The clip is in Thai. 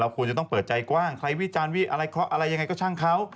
เราควรจะต้องเปิดใจกว้างใครวิจารณ์วิอะไรยังไงก็ช่างเขา